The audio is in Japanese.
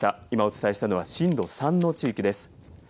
今、お伝えしたのは震度３の地域です。